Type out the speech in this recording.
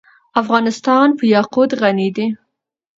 افغانستان په یاقوت غني دی.